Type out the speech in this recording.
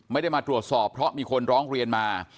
ไม่ได้มาตรวจสอบเพราะมีคนร้องเรียนมา